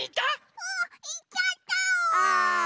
うんいっちゃった。